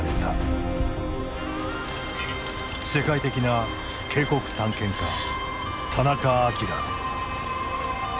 世界的な渓谷探検家田中彰。